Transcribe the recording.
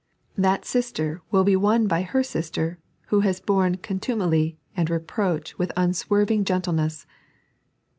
That sister will be won by her sister, who has borne contumely and reproach with unswerving gentleness.